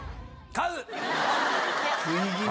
買う！